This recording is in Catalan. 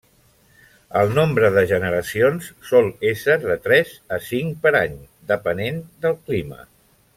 El nombre de generacions sol ésser de tres a cinc per any, depenent del clima.